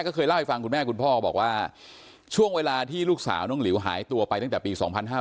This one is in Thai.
ใช่ค่ะคุณพ่อบอกว่าช่วงเวลาที่ลูกสาวน้องหลิวหายตัวไปตั้งแต่ปี๒๕๕๕